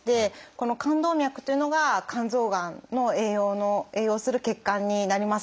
この肝動脈というのが肝臓がんの栄養の栄養する血管になります。